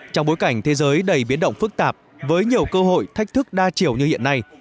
trong bối cảnh thế giới đầy biến động phức tạp với nhiều cơ hội thách thức đa chiều như hiện nay